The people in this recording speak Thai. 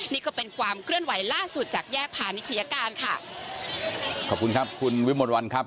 นี่ก็เป็นความเคลื่อนไหวล่าสุดจากแยกพาณิชยาการค่ะขอบคุณครับคุณวิมวลวันครับ